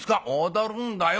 「踊るんだよ。